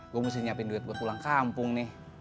gue mesti nyiapin duit buat pulang kampung nih